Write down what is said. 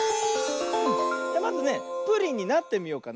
まずねプリンになってみようかな。